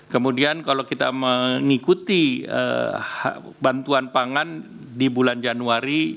kemudian kalau kita mengikuti bantuan pangan di bulan januari